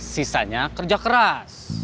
sisanya kerja keras